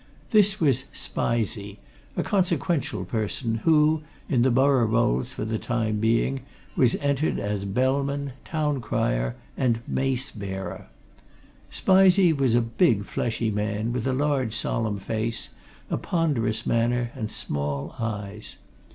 This was Spizey, a consequential person who, in the borough rolls for the time being, was entered as Bellman, Town Crier, and Mace Bearer. Spizey was a big, fleshy man, with a large solemn face, a ponderous manner, and small eyes.